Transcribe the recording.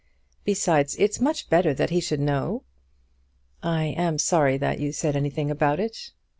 Besides, it's much better that he should know." "I am sorry that you said anything about it."